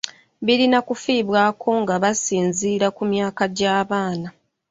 Birina kufiibwako nga basinziira ku myaka gy’abaana.